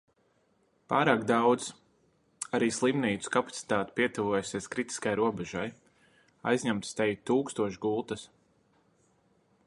Pārāk daudz... Arī slimnīcu kapacitāte pietuvojusies kritiskajai robežai – aizņemtas teju tūkstoš gultas.